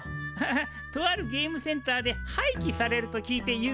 ハハッとあるゲームセンターではいきされると聞いてゆずり受けた。